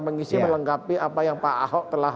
mengisi melengkapi apa yang pak ahok telah